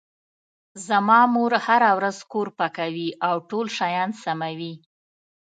زما مور هره ورځ کور پاکوي او ټول شیان سموي